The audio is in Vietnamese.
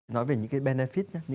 nói về những cái benefit